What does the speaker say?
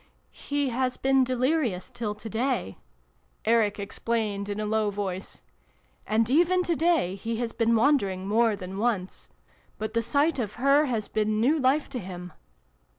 " He has been delirious till to day," Eric explained in a low voice :" and even to day he has been wandering more than once. But the xxv] LIFE OUT OF DEATH. 403 sight of her has been new life to him."